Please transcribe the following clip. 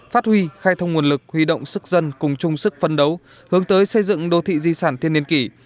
phát huy khai thông nguồn lực huy động sức dân cùng chung sức phấn đấu hướng tới xây dựng đô thị di sản thiên niên kỷ